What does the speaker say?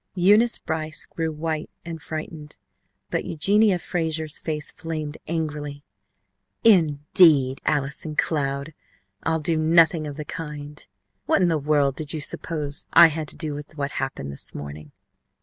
Eunice Brice grew white and frightened, but Eugenia Frazer's face flamed angrily. "Indeed, Allison Cloud, I'll do nothing of the kind. What in the world did you suppose I had to do with what happened this morning?"